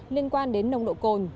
liên quan đến nồng độ cồn